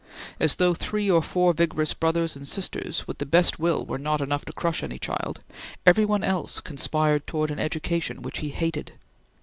As though three or four vigorous brothers and sisters, with the best will, were not enough to crush any child, every one else conspired towards an education which he hated.